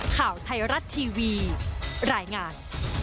ข่าวไทยรัฐทีวีรายงาน